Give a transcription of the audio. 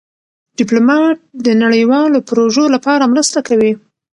ډيپلومات د نړیوالو پروژو لپاره مرسته کوي.